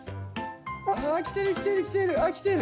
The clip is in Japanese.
来てる来てる来てる来てる。